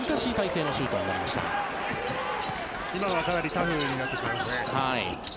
今のはかなりタフになってきますね。